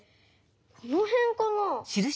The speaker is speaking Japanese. このへんかな？